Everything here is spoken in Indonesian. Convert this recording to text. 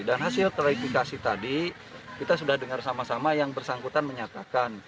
dan hasil klarifikasi tadi kita sudah dengar sama sama yang bersangkutan menyatakan